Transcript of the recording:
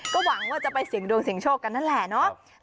ก็หวังว่าจะไปเสียงดวงเสียงโชคกันนั่นแหละเนาะ